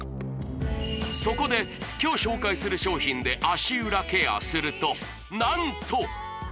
そこで今日紹介する商品で足裏ケアすると何と！